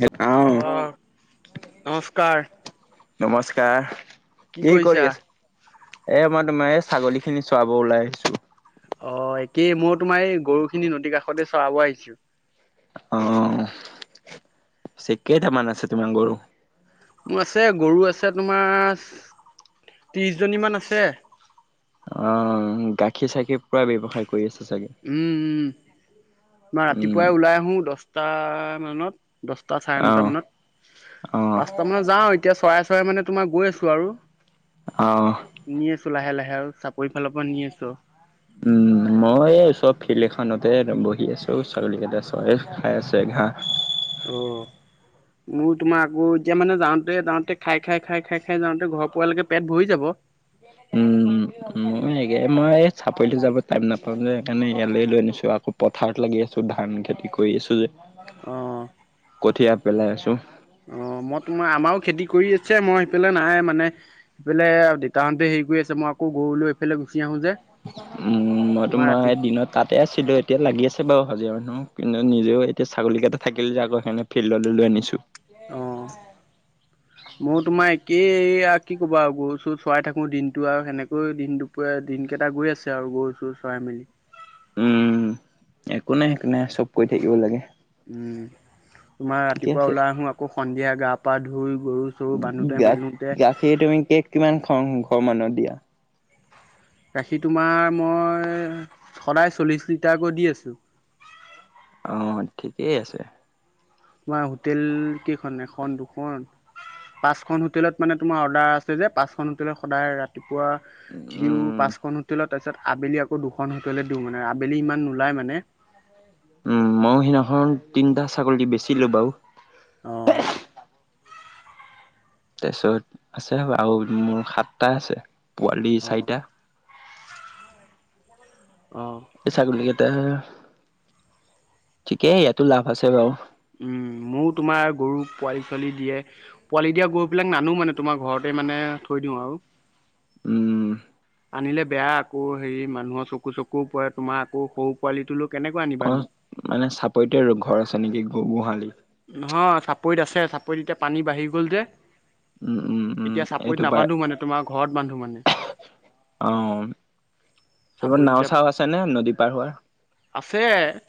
অ', অহ নমস্কাৰ! নমস্কাৰ কি কৰি আছ? এ মই তোমাৰ ছাগলী খিনি চোৰিব ওলাই আহিছো। অ একেই মই তোমাৰ এই গৰু খিনি নদীৰ কাষতে চৰাব আহিছো। অ পিছে কেইটামান আছে তোমাৰ গৰু? মোৰ আছে গৰু আছে তোমাৰ ত্ৰিশ জনী মান আছে। অ গাখীৰ চাখীৰ পুৰা ব্যৱসায়। কৰি আছে চাগে। উম উম মই উম, ৰাতিপুৱাই ওলাই আহো দহটা মানত দহটা চাৰে নটা অ', মানত অ', পাঁচটা মানত যাওঁ এতিয়া চৰাই চৰা মানে। তোমাৰ গৈ আছো আৰু আহ। নি আছো লাহে লাহে আৰু চাপৰি ফালৰ পৰা নি আছো। উম মই চব ফিল্ড এখনতে বহি আছো ছাগলী কেইটা চব খাই আছো হ। আহ। মোৰ তোমাৰ আকৌ এতিয়া মানে যাওঁতে যাওঁতে খাই খাই খাই খাই খাই যাওঁতে ঘৰৰ পোৱালৈকে পেট ভৰি যাব উম এনেকে মই চ পি যাব টাইম নাপাওঁ যে সেইকাৰণে ইয়ালৈ লৈ আনিছোঁ আকৌ পথাৰত লাগি আছোঁ ধান খেতি কৰি আছোঁ যে অ'। কঠিআ পেলাই আছো। অ মই তোমাৰ আমাৰো খেতি কৰি আছে মই সিফালে নাই মানে সিফালে দেতাহতে। আছে মই আকৌ গৰু লৈ এইফালে। গুচি আহো যে উম মই তোমাৰ দিনত তাতে আছিলো এতিয়া লাগি আছে বাৰু হাজিয় মানুহ কিন্তু নিজেও এতিয়া ছাগলীকেইটা থাকিল যে আকৌ সেইকাৰে ফিল্ডলৈ লৈ আনিছো। অ মই তোমাৰ একেই আৰু কি ক'বা আৰু গৰু চো চৰাই থাকোঁ দিনটো আৰু সেনেকৈ দিন দুপ দিনকেইটা। টা গৈ আছে আৰু গৰু চৰু চৰাই মেলি। উম একো নাই সেইো নাই চব কৈ থাকিব লাগে উম তোমাৰ ঠিকে ৰাতিপুৱা আছে ওলাই আহো আকৌ সন্ধিয়া গা পা ধুই। গৰু চৰু বান্ধোতে মেলোতে গাখীৰ তুমি কেক কিমান খাওঁ ঘৰ মানুহত দিয়া গাখীৰ তোমাৰ মই সদায় চল্লিছ লিটাৰকৈ দি আছোঁ। অ ঠিকেই আছে। তোমাৰ হোটেল কেইখন এখন দুখন। পাঁচখন হোটেলত মানে তোমাৰ অৰ্ডাৰ আছে যে পাঁচখনন হোটেলত সদায় ৰাতিপুৱা। দিওঁ উম পাঁচখনন হোটেলত। তাৰপিছত আবেলি আকৌ দুখন হতলৈ দিওঁ মানে আবেলি ইমান নোলাই মানে। উম মইো সিদিনাখন তিনিটা ছাগলী বেচিলো বাৰু। অ' তাৰপিছত আছে আৰু মোৰ সাতটা আছে পোৱালি অ' চাৰিটা। অ', ছাগলী কেইটা ঠিকেই ইয়াতো লাভ আছে বাৰু। উম'। মোৰো তোমাৰ গৰু পোৱালি-ছোৱালী দিয়ে, পোৱালি দিয়া গৰুবিলাক নানো মানে তোমাৰ ঘৰতে মানে থৈ আৰু? উম'। আনিলে বেয়া আকৌ হেৰি মানুহৰ চকু-চকুৰ ওপৰত অ', মানে চাপৰিতে আৰু ঘৰ আছে নেকি গ গোহালি? নহয়, চাপৰিত আছে চাপৰিত এতিয়া পানী বাঢ়ি গ'ল যে। উম উম উম এতিয়া এইটো চাপৰিত পাই নাবান্ধো মানে তোমাৰ ঘৰত বান্ধো মানে। অ'। তপ চাপৰিত নাও এতিয়া চাও আছে নে নদী পাৰ হোৱাৰ? আছে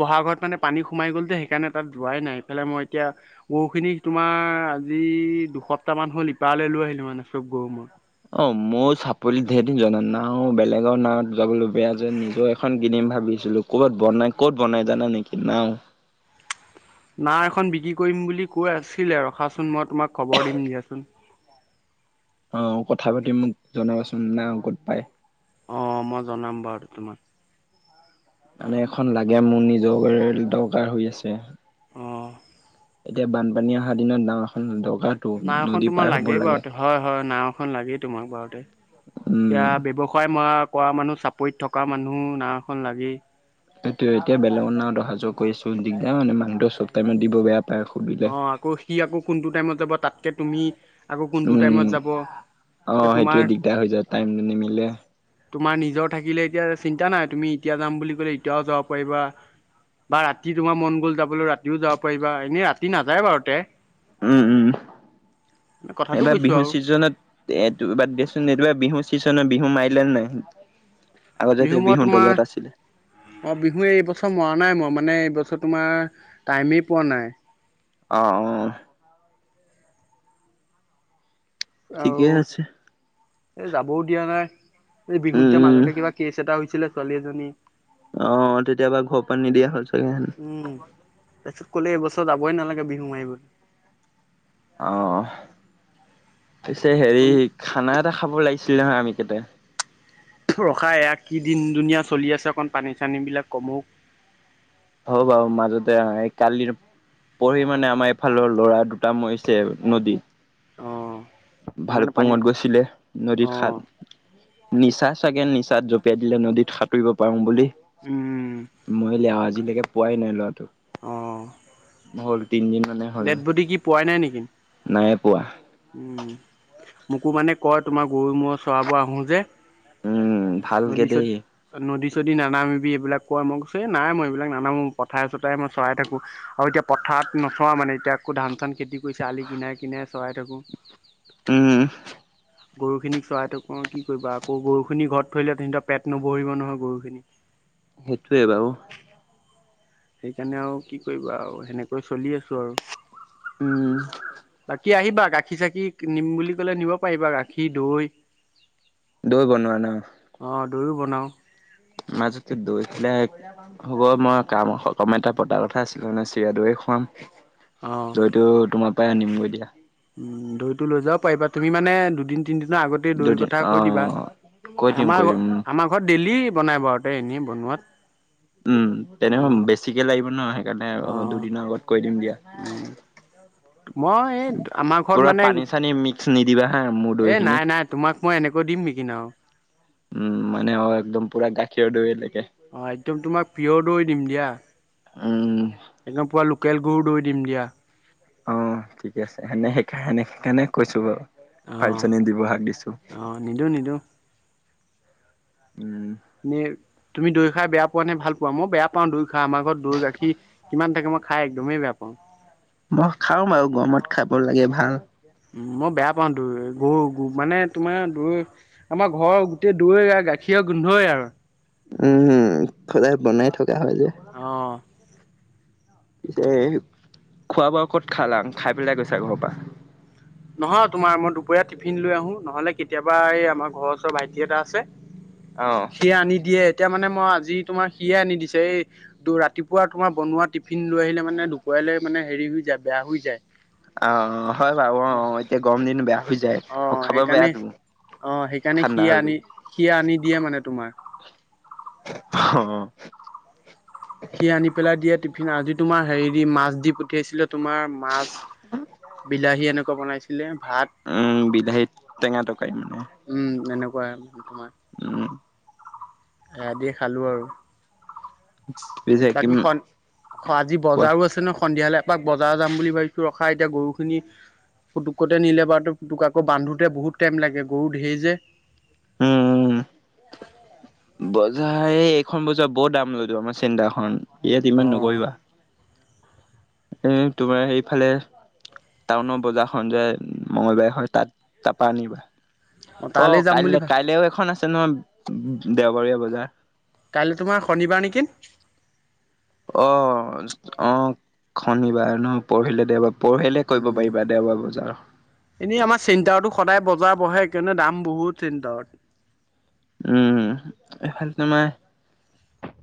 বহা ঘৰত মানে পানী সোমাই গ'ল যে সেইকাৰণে তাত যোৱাই নাই হেফলে মই এতিয়া গৰুখিনি তোমাৰ আজি দুসপ্তাহ তান হ'ল ই পাৰলৈ লৈ আহিলো মানে। চব গৰু মই অ', মোৰ চাপল ধঢে জনা নাও বেলেগৰ নাৱত যাবলৈো বেয়া যে নিজৰ এখন কিনিম ভাবিছিলো ক'ৰবাত বনাই, ক'ত বনাই? নাই জানা নেকি নাও? নাও এখন বিক্ৰী কৰিম বুলি কৈ আছিলে ৰখাচোন মই তোমাক খবৰ দিম দিয়াচোন। অ', কথা পাতি মোক জনাবাচোন না ক'ত পাই? অ', মই জনাম বাৰু তোমাক। মানে এখন লাগে মোৰ নিজৰ দৰকাৰ হৈ আছে। অ এতিয়া বানপানী অহা দিনত নাও এখন দৰ্ক নাওখন তোমাৰ লাগেই বাৰু তে হয়-হয় নাও এখন লাগেই তোমাক বাৰুতে। উম এতিয়া ব্যবসায় ম কৰা মানুহ চাপৰিত থকা মানুহ নাখন লাগি। সেইটো এতিয়া বেলেগৰ নামত অহা যোৱা কৰিছো দিগদাৰ মানে মানুহতটো চব টাইমত দিব বেয়া পায় সুধিলে। অ', আকৌ সি আকৌ কোনটো টাইমত যাব তাতকে তুমি আকৌ কোনটো টাইমত উম', যাব এতিয়া অ', তোমাৰ সেইটোয়ে দিগদাৰ হৈ যায় টাইমটো নিমিলে। তোমাৰ নিজৰ থাকিলে এতিয়া চিন্তা নাই তুমি এতিয়া যাম বুলি কলে এতিয়াও যাব পাৰিবা। বা ৰাতি তোমাৰ মন গ'ল যাবলৈ ৰাতিও যাব পাৰিবা এনেই ৰাতি নাযায় বাৰু তে। উম'-উম'। কথাটো এইবাৰ কৈছো বিহু আৰু চিজনতটো দেচোনা বিহু ছিনে বিহু মাৰিলে নাই? আগতে যে বিহু মই তোমাৰ দলত আছিলে অ', বিহু এইবছৰ মৰা নাই মই মানে এইবছৰ তোমাৰ টাইমেই পোৱা নাই। অ'-অ'। ঠিকেই আছে। এ যাবও দিয়া নাই, এই বিহু উম যে উম। মাজতে কিবা কেচ এটা হৈছিলে ছোৱালী এজনী? অ', তেতিয়াবা ঘৰ পা নিদিয়া হ'ল সেকন্ড উম হাণ্ড। তাৰপিছত ক'লে এইবছৰত যাবই নালাগে বিহু মাৰিবলৈ। অ', পিছে হেৰি খানা এটা খাব লাগিছে। ছিলেহ আমি কেইটায়া। ৰখা এয়া কি দিন দুুনীয়া চলি আছে অকন পানী-চানী বিলাক কমক। হ'ব বাৰু মাজতে কালি পঢ়ি মানে আমাৰ এইফালৰ ল'ৰা দুটা মৰিছে নদীত। অ ভালুক সেইকাৰণে পানী পুঙত গৈছিলে নদীত অ খাত নিচা চাগে নিচাত জঁপিয়াই দিলে নদীত সাঁতুৰিব পাৰো বুলি। উম মৰিলে আৰু আজিলৈকে পোৱাই নাই লৰাটোক। অ' মানে হ'ল ডেড বডি কি পোৱাই নাই নেকি? নাই পোৱা উম', মোকো মানে কয় তোমাৰ গৰু মূৰৰ চৰাবোৰ আহো যে। উম ভালকে নদী চত দেই নদী। যদি নানামিবি এইবিলাক কোৱা মই কৈছো এ নাই মই এইবিলাক নানামো পথাৰে চথাই মই চৰাই থাকো। আৰু এতিয়া পথাৰ হাত নথোৱা মানে এতিয়া আকৌ ধান চান খেতি কৰিছে আলি কিনাৰে কিনাৰে চৰাই থাকোঁ। উম। গৰু খিনিক চৰাই থ কি কৰিবা আকৌ গৰু খিনি ঘৰত থৰিলে তেয়া পেট নবহিব নহয় গৰুখিনি। সেইটোয়ে বাৰু। সেইকাৰণে আৰু কি কৰিবা আৰু সেনেকৈ চলি আছোঁ আৰু। উম। কি আহিবা গাখীৰ চাখি নিম বুলি কলে নিব পাৰিবা গাখীৰ দৈ। দৈ বনোৱা ন? অঁ দৈও বনাওঁ। মাজত দৈ পেল হ'ব মই কাম সকম এটা পতা কথা আছিল মানে চিৰা দৈৰ। খুৱাম অঁ। দৈতটো তোমাৰ পৰা আনিমগৈ দিয়া। উ দৈতটো লৈ যাব পাৰিবা তুমি মানে দুদিন। তিনিদিনৰ আগতেই দৈ দুদিন কথা অ কৈ দিবা, কৈ দিম আমাৰ কৈ ঘ দিম আমাৰ ঘৰত ডেইলি বনাই বাৰুতে এনেই বনোৱাত। উম তেনেহ তোমাৰ বেছিকে লাগিব নহয়। সেইকাৰণে অ অঁ দুদিনৰ আগত কৈ দিম দিয়া। উম মই এই আমাৰ ঘৰত পুৰা মানে পানী চানী মিক্স নিদিবা হা মোৰ দৈ খিনি। আকৌ দিম নেকি ন। উম! মানে হয় একদম পুৰা গাখীয়ৰ দৈ লাগে অ- একদম তোমাক পিয়ৰ দৈ দিম দিয়া উম একদম পোৱা ল কেলকো দৈ দিম দিয়া অ ঠিকে আছে সেনে সেইকাৰে সেনে সেইকাৰণে কৈছো বাৰু অঁ পালচনী দিৱহাক দিছোঁ অঁ নিদিওঁ নিদিওঁ এ তুমি দৈ খাই বেয়া পোৱা নে ভাল পোৱা মই বেয়া পাওঁ দৈ খা আমাৰ ঘৰত দৈ গাখীৰ কিমান থাকে মই খাই একদমেই বেয়া পাওঁ। মই খাওঁ বাৰু গৰমত খাব লাগে ভাল। মই বেয়া পাওঁ দৈ গৰু মানে তোমাৰ দৈ আমাৰ ঘৰৰ গোটেই দৈয়ে গাখীৰ কিয় গোন্ধই আৰু উম! সদায় বনাই থকা হয় যে অহ পিছে খোৱা বোৱা ক'ত খালাং খাই পেলাই গৈছা ঘৰৰ পৰা? নহয় তোমাৰ মই দুপৰীয়া টিফিন লৈ আহোঁ নহলে কেতিয়াবা এই আমাৰ ঘৰৰ ওচৰৰ ভাইটি এটা আছে অ সি আনি দিয়ে এতিয়া মানে মই আজি তোমাৰ সিয়ে আনি দিছে এই ৰাতিপুৱা তোমাৰ বনোৱা টিফিন লৈ আহিলে মানে দুপৰীয়া মানে হেৰি হৈ যায় বেয়া হৈ যায়। অ- অ- হয় বাৰু অ এতিয়া গম দিন বেয়া- হৈ যায় আৰু অ' খাব সেইকাৰণে বেয়াটো অ' সেইকাৰণে সি ঠান্দা হৈ আনি গ'লে সি আনি দিয়ে মানে তোমাৰ। অহ সি আনি পেলাই দিয়া টিফিন আজি তোমাৰ হেৰি দি মাছ দি পঠিয়াইছিলে। তোমাৰ মাছ বিলাহী এনেকুৱা বনাইছিলে ভাত উম! বিলাহিত তেঙাটো কাই মানে উম [inaudible] উম আহ দি খালোঁ আৰু [inaudible] কিম বাকীখন অ আজি কোৱা বজাৰো আছে ন সন্ধিয়ালৈ এপাক বজাৰ যাম বুলি ভাবিছোঁ খাই এতিয়া গৰুখিনি পুতুকতে নিলে বাৰু পুতুক আকৌ বান্ধোতে বহুত টাইম লাগে গৰু ধেই যে। উম! উম! বজাৰ এই -এইখন বজাৰ বৰ দাম লই আমাৰ [unintelligible] ইয়াত অ ইমান নকৰিবা উম, তোমাৰ সেইফালে টাউনৰ বজাৰখন যে মঙ্গলবাৰে হয় তাত তাপা আনিবা। অ অহ, তালৈ যাম বুলি কাইলে- ভাব কাইলেও এখন আছে নহয় দেওবৰীয়া বজাৰ। কাইলে তোমাৰ শনিবাৰ নেকি? অ-অ শনিবাৰ ন পৰহিলে দেওবাৰ। পৰহিলে কৰিব উম, পাৰিবা দেওবাৰ বজাৰ। এনেই আমাৰ চিন্তাতো সদায় বজাৰ বহে কিন্তু দাম বহুত চিন্তত উম, এইফালে তোমাৰ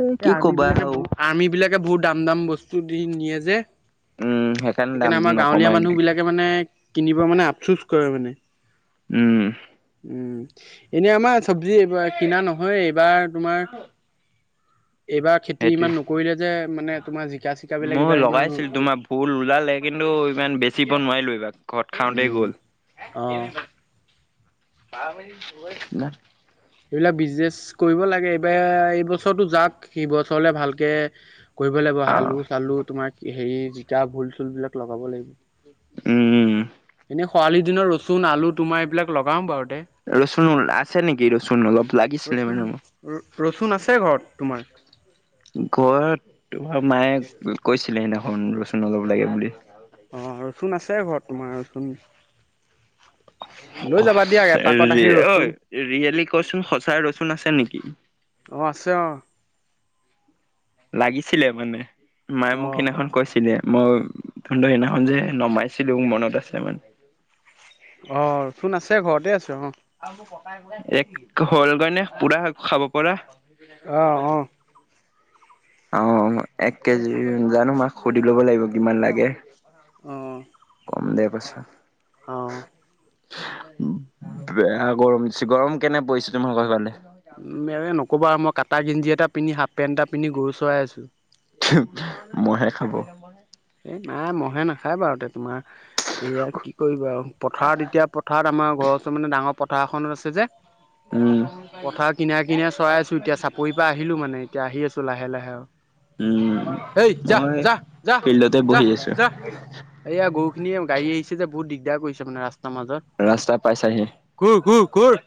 এ এই কি আৰ্মি ক'বা বিলাকে আৰু বহুত আৰ্মি বিলাকে বহুত দাম -দাম বস্তু দি নিয়ে যে উম, সেইকাৰণে দামটো আমাৰ গাঁৱলীয়া নকমাই মানুহ বিলাকে মানে কিনিব মানে আফচোচ কৰে মানে উম উম, এনে আমাৰ চব্জি এইবাৰ কিনা নহয় এইবাৰ তোমাৰ এইবাৰ খেতি সেইটোৱে। ইমান নকৰিলে যে মানে তোমাৰ জি মই লগাইছিলোঁ তোমাৰ ভুল ওলালে কিন্তু ইমান বেচিব নোৱাৰিলোঁ এইবাৰ। ঘৰত খাওঁতেই অ'। গ'ল এইবিলাক বিজনেছ কৰিব লাগে এইবাৰ এইবছৰতো যাওঁক হি বছৰলে ভালকে কৰিব লাগিব অ। আলু- চালু তোমাৰ হেৰি জিকা ভোল -চোলবিলাক লগাব লাগিব। উম এনেই খৰালি দিনৰ ৰচুন, আলু, তোমাৰ এইবিলাক লগাম বাৰু দে ৰচুন আছে নেকি ৰচুন অলপ লাগিছিলে ৰচুন মানে মোক? ৰচুন আছে ঘৰত তোমাৰ। ঘৰত তোমাৰ মায়ে কৈছিলে সেইদিনাখন ৰচুন অলপ লাগে বুলি। অ', ৰচুন আছে ঘৰত তোমাৰ ৰচুন লৈ যাবা দিয়া এপাকত আহি [inaudible] ৰচুন ঐ' ৰিয়েলি কচোন সঁচাই ৰচুন আছে নেকি? অহ, আছে অহ। লাগিছিলে মানে মায়ে মোক অ'। সেইদিনাখন কৈছিলে। মই তহঁতৰ সেইদিনাখন যে নমাইছিলো মনত আছে মানে। অহ, ৰচুন আছে ঘৰতে আছে অহ। এক হ'ল গৈ নে পুৰা খাব পৰা? অ', অ'। [unintelligible] অ', এক কেজি জানো মাক সুধি ল'ব লাগিব কিমান লাগে। অ', ক'ম দে পাছত। অ', বেয়া গৰম দিছে। গৰম কেনে পৰিছে তোমাৰ ঘৰৰ ফালে? ক'বা মই কাটা গিঞজি এটা পিন্ধি হাফ পেণ্ট এটা পিন্ধি গৰু চৰাই আছো। ম'হে খাব। এ' নাই ম'হে নাখায় বাৰু তে তোমাৰ এইয়া কি কৰিবা আৰু। পথাৰত এতিয়া পথাৰত আমাৰ ঘৰৰ ওচৰত মানে ডাঙৰ পথাৰখনত আছে যে উম পথাৰৰ কিনাই- কিনাই চৰাই আছো এতিয়া চাপৰিৰ পৰা আহিলো মানে এতিয়া আহি আছো লাহে -লাহে আৰু। উম, মই ফিল্ডত যাহ-যাহ এইয়া গৰুখিনিয়ে গাড়ী আহিছে যে বহুত দিগদাৰ কৰিছে মানে ৰাস্তা ৰাস্তাৰ মাজত, ৰাস্তা পাইছাহি ঘূৰ- ঘূৰ- ঘূৰ।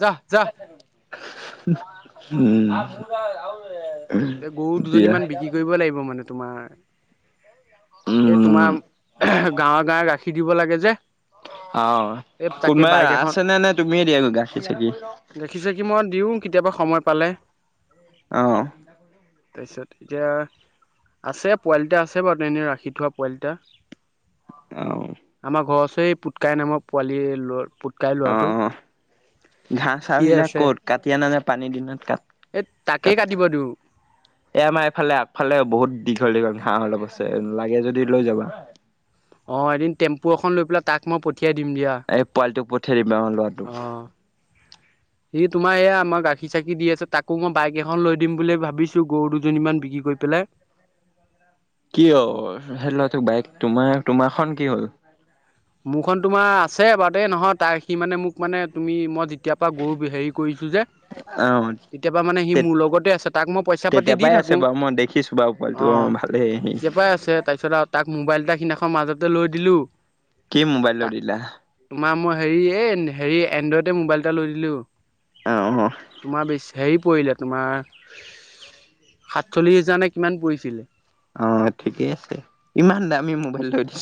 যা যা উম এ' গৰু দুজনী দিয়া মান বিক্ৰী কৰিব লাগিব মানে তোমাৰ এই উম তোমাৰ গাঁৱে- গাঁৱে ৰাশি দিব লাগে যে। অ', এই তাকে কোনোবাই বাইক এখন আছেনে নে তুমিয়ে দিয়া গাখীৰ চাকি? গাখীৰ মই দিওঁ কেতিয়াবা সময় পালে। অ', তাৰপিছত এতিয়া আছে পোৱালি এটা আছে বাৰু তেনে ৰাখি থোৱা পোৱালি এটা। অ আমাৰ ঘৰ ওপৰে পুটকাই নামৰ পোৱালি ল'ৰা পুটকাই। অঁ ল'ৰাটো অঁ ঘাঁহ চাহ সিয়ে বিলাক আছে ক'ত কাটি আনানে পানী দিনত কাটা? এই তাকেই তা'ত কাটিব দিওঁ এ' আমাৰ এইফালে আগফালে বহুত- দীঘল দীঘল ঘাঁহ অলপ আছে লাগে যদি পঠিয়াই দিলে হ'ল। অঁ এদিন টেম্পু এখন লৈ পেলাই তাক মই- পঠিয়াই দিম দিয়া। এই পোৱালিটোক পঠিয়াই দিবা অ ল'ৰাটোক। অঁ সি তোমাৰ এইয়া আমাৰ গাখীৰ চাখি দি আছে তাকো মই বাইক এখন লৈ দিম বুলি ভাবিছো গৰু দুজনীমান বিক্ৰী কৰি- পেলাই। কি অঁ সেই লৰাটোক বাইক তোমাৰ তোমাৰখন কি হ'ল? মোৰখন তোমাৰ আছে বাৰু দেই নহয় তাৰ সি মানে মোক মানে তুমি মই- কেতিয়া পৰা গৰু হেৰি কৰিছোঁ যে- অ তেতিয়া পৰা মানে সি তে মোৰ লগতে আছে তাক মই পইচা পাতি তেতিয়া দি পৰাই আছে থাকো। বাৰু মই দেখিছো বাৰু পোৱালিটো অ অঁ ভালেই সি তেতিয়া পৰাই আছে। তাৰপিছত আৰু তাক মোবাইল এটা সেইদিনাখন মাজতে লৈ দিলো। কি' মোবাইল লৈ তাক দিলা? তোমাৰ মই হেৰি এই হেৰি এনড্ৰইডে মোবাইল এটা লৈ দিলো। অঁহ অঁহ। তোমাৰ বেছ হেৰি পৰিলে তোমাৰ সাতচল্লিছ হাজাৰ নে কিমান পৰিছিল। অঁ ঠিকেই আছে। ইমান দামী মোবাইল লৈ দিলি?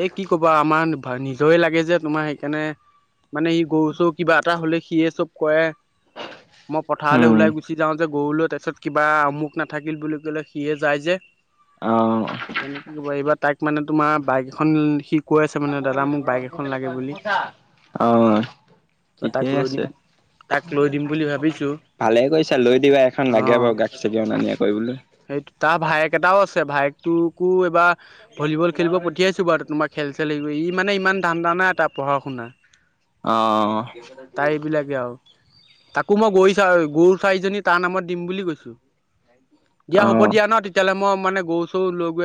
এ' কি ক'বা আৰু আমাৰ নিজৰে লাগে যে তোমাৰ সেইকাৰণে। মানে সি গৰু চৰু কিবা এটা হলে সিয়ে চব কৰে মই পথাৰলে উম ওলাই গুচি যাওঁ যে গৰুলৈ তাৰপিছত কিবা অমুক নাথাকিল বুলি কলে সিয়ে যায় যে অ কি ক'ব এইবাৰ তাইক মানে তোমাৰ বাইক এখন শ কৈ আছে মানে দাদা মোক বাইক এখন লাগে বুলি অ বা ঠিকেই তাক লৈ আছে। দিম তাক লৈ দিম বুলি ভাবিছো ভালে কৰিছা লৈ দিবা এখন লাগে বাৰু গাখীৰ চাকি অনা নিয়া কৰিবলৈ সেই তাৰ ভায়েক এটাও আছে ভায়েকটোকো এইবাৰ কিনাে কৰি ই খেল চেলি ই মানে ইমান ধান্দা নাই তাৰ পঢ়া শুনা অ তাই এইবিলাকে আউ তাকো মই গই চা গৰু চাৰিজনী তাৰ নামত দিম বুলি কৈছো দিয়া হ'ব অ দিয়া ন তেতিয়াহলে মই মানে গৰু চৰু লৈ গৈ আছো